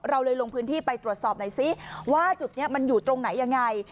เราเลยลงพื้นที่ไปตรวจสอบหน่อยซิว่าจุดนี้มันอยู่ตรงไหนยังไง